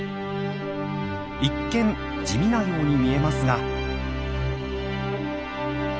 一見地味なように見えますが。